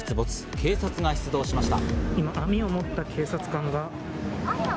警察が出動しました。